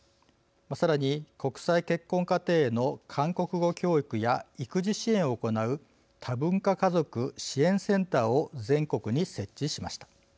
さらに国際結婚家庭への韓国語教育や育児支援を行う多文化家族支援センターを全国に設置しました。